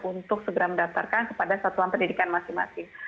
untuk segera mendaftarkan kepada satuan pendidikan masing masing